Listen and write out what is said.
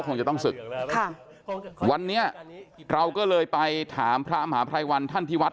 คงจะต้องศึกค่ะวันนี้เราก็เลยไปถามพระมหาภัยวันท่านที่วัด